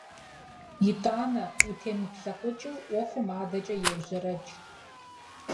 ИтӀанэ, утемыплъэкъукӀыу, Ӏуэхум адэкӀэ еужьэрэкӀ.